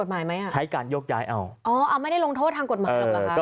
อ๋อไม่ได้โรงโทษทางกฎหมายหรอครับ